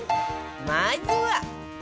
まずは